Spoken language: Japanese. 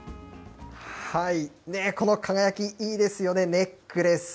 この輝き、いいですよね、ネックレス。